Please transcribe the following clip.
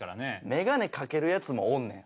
眼鏡かけるヤツもおんねん。